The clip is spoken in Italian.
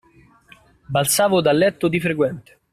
Balzavo dal letto di frequente.